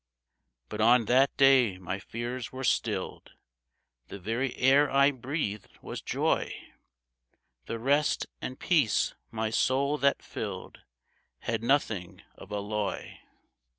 But on that day my fears were stilled ; The very air I breathed was joy ; The rest and peace my soul that filled Had nothing of alloy.